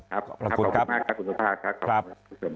ขอบพระคุณครับขอบพระคุณครับขอบพระคุณครับขอบพระคุณครับ